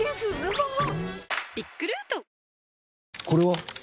これは？